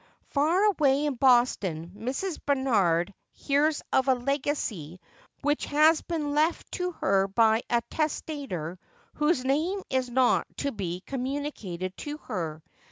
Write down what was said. Far away in Boston Mrs. Barnard hears of a legacy which has been left to her by a testator whose name is not to be communicated to her.